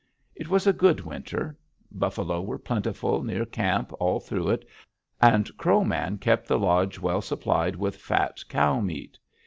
"It was a good winter. Buffalo were plentiful near camp all through it, and Crow Man kept the lodge well supplied with fat cow meat.